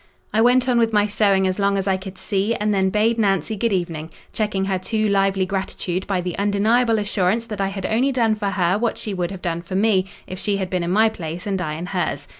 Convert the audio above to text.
I went on with my sewing as long as I could see, and then bade Nancy good evening; checking her too lively gratitude by the undeniable assurance that I had only done for her what she would have done for me, if she had been in my place and I in hers.